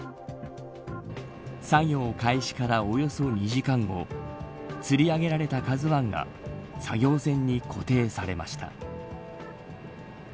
作業開始からおよそ２時間後つり上げられたＫＡＺＵ１が作業船に固定されました。